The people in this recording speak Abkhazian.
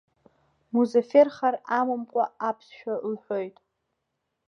Музафер хар амамкәа аԥсшәа лҳәоит.